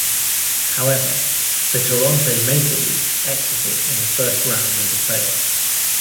However, the Toronto Maple Leafs exited in the first round of the playoffs.